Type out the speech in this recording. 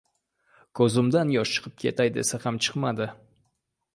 Ko‘zimdan yosh chiqib ketay desa ham chidadim.